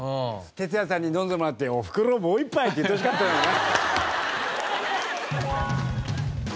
鉄矢さんに飲んでもらって「おふくろもう一杯」って言ってほしかったのにな。